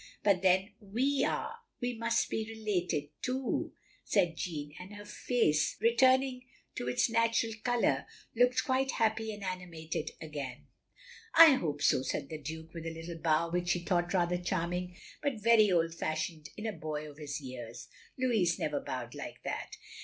But then we are— we must be related, too, " said Jeanne, and her face, returning to its loo THE LONELY LADY natural colour, looked quite happy and animated again. " I hope so, " said the Duke, with a little bow which she thought rather charming, but very old fashioned in a boy of his years. Louis never bowed like that.